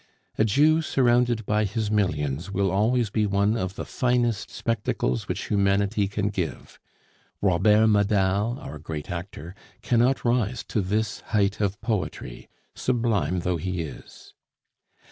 A Jew surrounded by his millions will always be one of the finest spectacles which humanity can give. Robert Medal, our great actor, cannot rise to this height of poetry, sublime though he is.